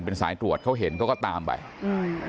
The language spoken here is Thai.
เป็นสายตรวจเขาเห็นเขาก็ตามไปอืม